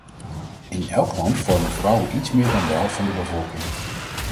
In elk land vormen vrouwen iets meer dan de helft van de bevolking.